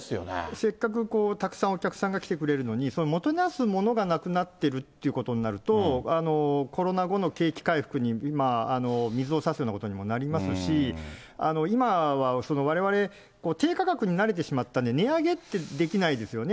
せっかく、たくさんお客さんが来てくれるのに、もてなすものがなくなっているということになると、コロナ後の景気回復に水を差すようなことにもなりますし、今はわれわれ、低価格に慣れてしまったので、値上げってできないですよね。